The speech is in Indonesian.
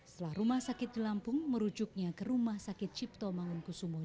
setelah rumah sakit di lampung merujuknya ke rumah sakit cipto mangunkusumo